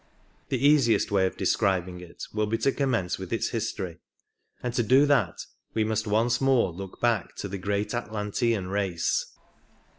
The easiest way of describing it will be to commence with its history, and to do that we must once more look back to the great Atlantean race.